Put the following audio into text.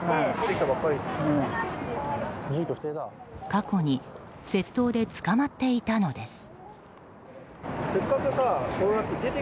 過去に窃盗で捕まっていたのです。